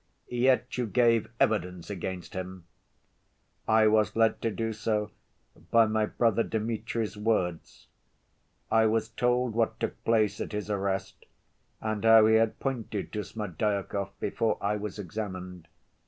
"Yet you gave evidence against him?" "I was led to do so by my brother Dmitri's words. I was told what took place at his arrest and how he had pointed to Smerdyakov before I was examined.